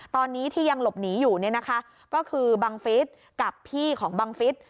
ตอนนี้ที่ยังหลบหนีอยู่เนี่ยนะคะก็คือบังฟิศกับพี่ของบังฟิศ